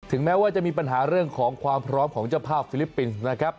แม้ว่าจะมีปัญหาเรื่องของความพร้อมของเจ้าภาพฟิลิปปินส์นะครับ